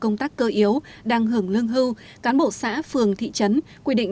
công tác cơ yếu đang hưởng lương hưu cán bộ xã phường thị trấn quy định